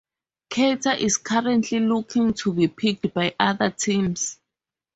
Carter is currently looking to be picked by other teams.